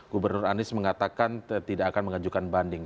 gubernur anies mengatakan tidak akan mengajukan banding